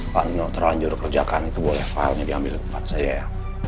pak panino terlanjur kerjakan itu boleh file nya diambil tempat saya ya